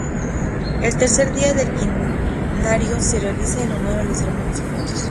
El tercer día del quinario, se realiza en honor a los hermanos difuntos.